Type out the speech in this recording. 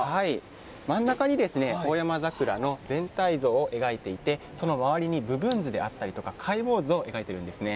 真ん中にオオヤマザクラの全体像を描いていて、その周りに部分図であったりですとか、解剖図を描いているんですね。